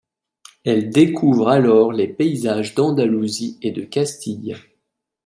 Elle découvre alors les paysages d’Andalousie et de Castille.